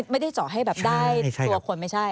ไม่ได้จอดให้ได้ตัวคนไม่ใช่